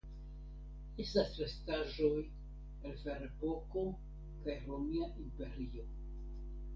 Estas restaĵoj el Ferepoko kaj Romia Imperio.